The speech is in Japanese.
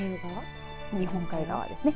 日本海側ですね。